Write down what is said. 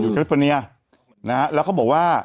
แต่หนูจะเอากับน้องเขามาแต่ว่า